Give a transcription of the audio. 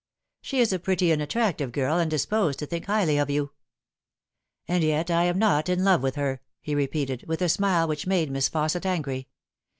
" She is a pretty and attractive girl, and disposed to think highly of you." " And yet I am not in love with her," he repeated, with a smile which made Miss Fausset angry.